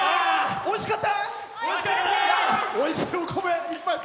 おいしかった？